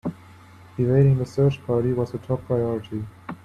Evading the search party was her top priority.